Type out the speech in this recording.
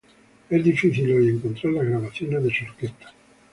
Es difícil hoy encontrar las grabaciones de su orquesta.